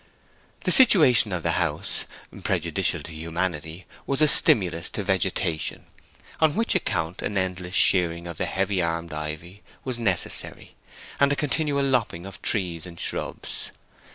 The situation of the house, prejudicial to humanity, was a stimulus to vegetation, on which account an endless shearing of the heavy armed ivy was necessary, and a continual lopping of trees and shrubs.